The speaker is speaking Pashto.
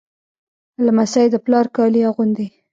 لمسی د پلار کالي اغوندي.